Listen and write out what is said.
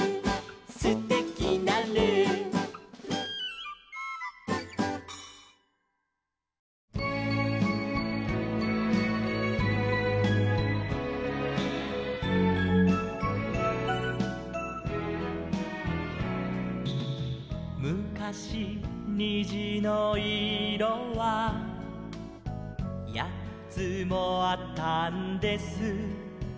「すてきなルー」「むかしにじのいろはやっつもあったんです」